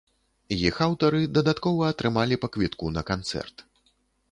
Іх аўтары дадаткова атрымалі па квітку на канцэрт.